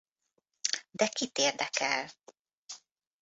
De kit érdekel?